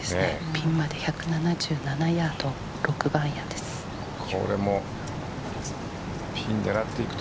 ピンまで１７７ヤード６番アイアンです。